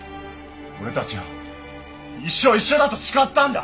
俺たちは一生一緒だと誓ったんだ！